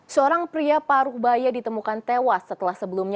seorang pria paruh baya ditemukan tewas setelah sebelumnya